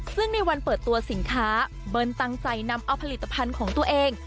ซึ่งในวันเปิดตัวสินค้าเบิ้ลตั้งใจนำเอาผลิตภัณฑ์ของตัวเอง